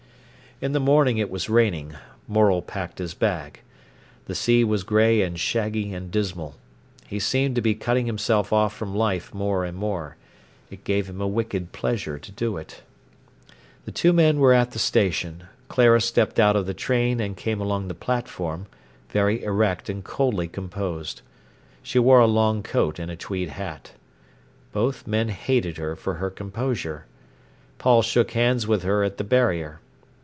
In the morning it was raining. Morel packed his bag. The sea was grey and shaggy and dismal. He seemed to be cutting himself off from life more and more. It gave him a wicked pleasure to do it. The two men were at the station. Clara stepped out of the train, and came along the platform, very erect and coldly composed. She wore a long coat and a tweed hat. Both men hated her for her composure. Paul shook hands with her at the barrier.